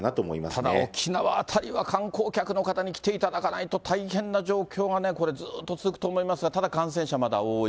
ただ沖縄辺りは観光客の方に来ていただかないと大変な状況がね、これ、ずっと続くと思いますが、ただ、感染者まだ多い。